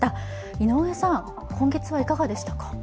井上さん、今月はいかがでしたか？